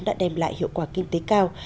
đã đem lại hiệu quả kinh tế cao